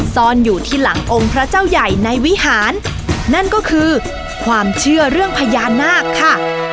ซ่อนอยู่ที่หลังองค์พระเจ้าใหญ่ในวิหารนั่นก็คือความเชื่อเรื่องพญานาคค่ะ